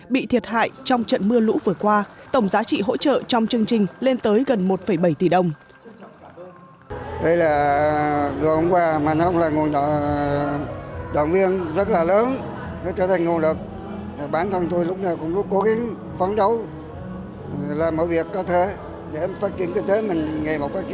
bị thiệt hại trong trận mưa lũ vừa qua tổng giá trị hỗ trợ trong chương trình lên tới gần một bảy tỷ đồng